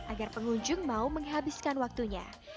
agar pengunjung mau menghabiskan waktunya